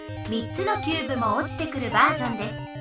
３つのキューブもおちてくるバージョンです。